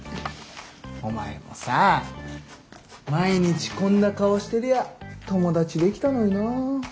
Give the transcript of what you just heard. お前もさ毎日こんな顔してりゃ友達できたのにな。